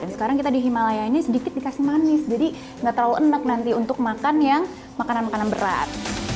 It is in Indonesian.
sekarang kita di himalaya ini sedikit dikasih manis jadi gak terlalu enak nanti untuk makan yang makanan makanan berat